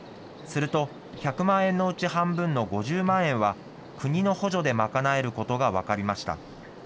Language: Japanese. すると、１００万円のうち半分の５０万円は、国の補助で賄えることが分かりました。